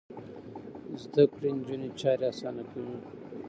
زده کړې نجونې چارې اسانه کوي.